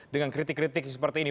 dengan kritik kritik seperti ini